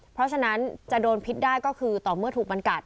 เพราะฉะนั้นจะโดนพิษได้ก็คือต่อเมื่อถูกมันกัด